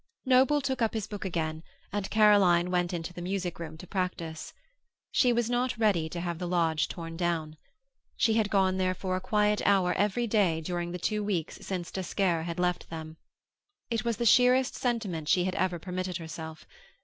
Noble took up his book again and Caroline went into the music room to practice. She was not ready to have the lodge torn down. She had gone there for a quiet hour every day during the two weeks since d'Esquerre had left them. It was the sheerest sentiment she had ever permitted herself.